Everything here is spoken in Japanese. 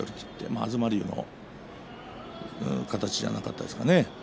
東龍の形じゃなかったですかね。